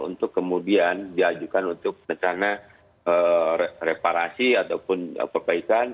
untuk kemudian diajukan untuk rencana reparasi ataupun perbaikan